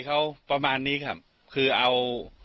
เขาพามาอยู่ที่บ้านครับ